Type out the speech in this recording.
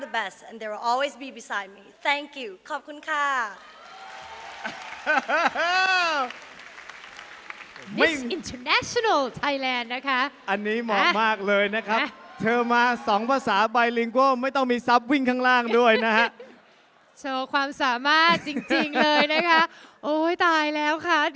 พวกเขาคือที่สุดท้ายและจะอยู่ข้างในข้างขอบคุณค่า